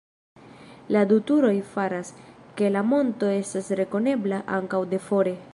La du turoj faras, ke la monto estas rekonebla ankaŭ de fore.